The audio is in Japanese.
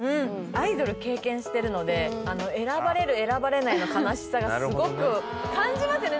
アイドル経験してるので選ばれる選ばれないの悲しさがスゴく感じますよね